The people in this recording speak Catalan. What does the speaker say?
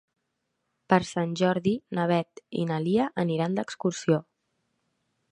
Per Sant Jordi na Beth i na Lia aniran d'excursió.